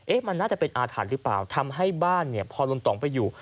มันน่าจะเป็นอาถรรพ์หรือเปล่าทำให้บ้านเนี่ยพอลุงตองไปอยู่